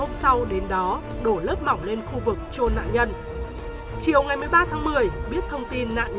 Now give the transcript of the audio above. hôm sau đến đó đổ lớp mỏng lên khu vực trôn nạn nhân chiều ngày một mươi ba tháng một mươi biết thông tin nạn nhân